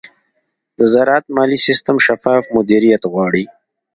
د زراعت مالي سیستم شفاف مدیریت غواړي.